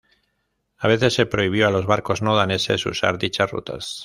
A veces se prohibió a los barcos no daneses usar dichas rutas.